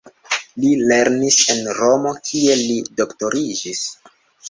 Li lernis en Romo, kie li doktoriĝis.